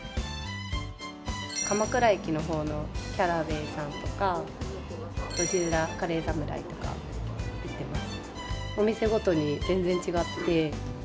鎌倉駅の方のキャラウェイさんとか路地裏カレーさむらいに行ってます。